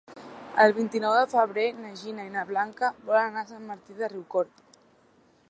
El vint-i-nou de febrer na Gina i na Blanca volen anar a Sant Martí de Riucorb.